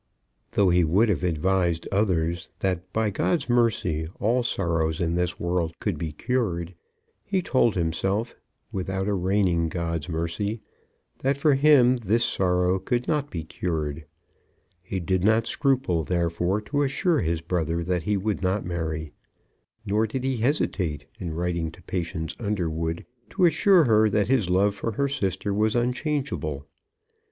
Though he would have advised others that by God's mercy all sorrows in this world could be cured, he told himself, without arraigning God's mercy, that for him this sorrow could not be cured. He did not scruple, therefore, to assure his brother that he would not marry, nor did he hesitate, in writing to Patience Underwood, to assure her that his love for her sister was unchangeable.